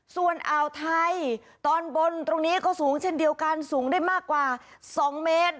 ส่วนอ่าวไทยตอนบนตรงนี้ก็สูงเช่นเดียวกันสูงได้มากกว่า๒เมตร